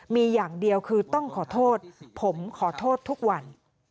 มีอย่างเดียวคือต้องขอโทษผมขอโทษทุกวัน